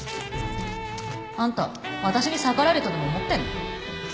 あんた私に逆らえるとでも思ってんの？